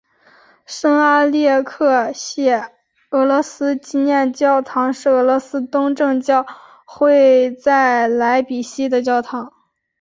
圣阿列克谢俄罗斯纪念教堂是俄罗斯东正教会在莱比锡的教堂。